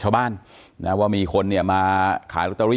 อ๋อเจ้าสีสุข่าวของสิ้นพอได้ด้วย